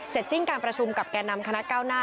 สิ้นการประชุมกับแก่นำคณะเก้าหน้า